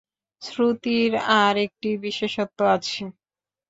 শ্রুতির আর একটি বিশেষত্ব আছে।